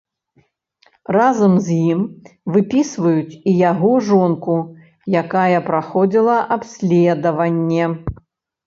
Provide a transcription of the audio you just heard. Разам з ім выпісваюць і яго жонку, якая праходзіла абследаванне.